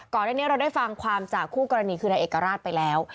เรื่องนี้เราได้ฟังความจากคู่กรณีคือนายเอกราชไปแล้ว